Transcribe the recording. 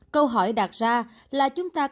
câu hỏi đạt ra là